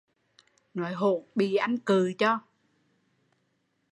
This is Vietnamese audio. Nói hỗn, bị anh cự cho